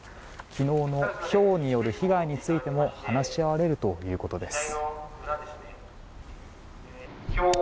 昨日のひょうによる被害についても話し合われるということです。